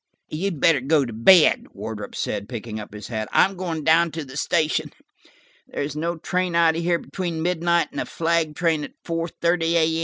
"You'd better go to bed," Wardrop said, picking up his hat. "I'm going down to the station. There's no train out of here between midnight and a flag train at four thirty A.